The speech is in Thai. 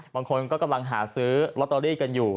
บางคนก็กำลังหาซื้อลอตเตอรี่กันอยู่